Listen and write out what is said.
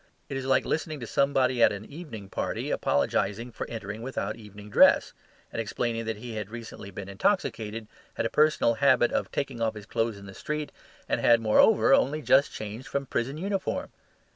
It is like listening to somebody at an evening party apologising for entering without evening dress, and explaining that he had recently been intoxicated, had a personal habit of taking off his clothes in the street, and had, moreover, only just changed from prison uniform.